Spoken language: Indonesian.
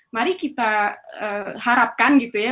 mari kita harapkan gitu ya